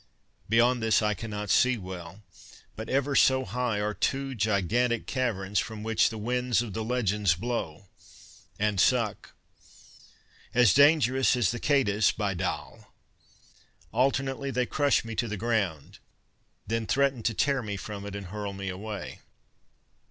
Beyond this I cannot see well, but ever so high are two gigantic caverns from which the Winds of the Legends blow and suck. As dangerous as the Katus, by Dal! Alternately they crush me to the ground, then threaten to tear me from it and hurl me away."